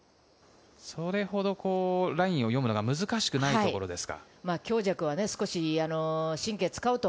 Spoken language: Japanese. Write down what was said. それほどラインを読むのは難しくないところですか？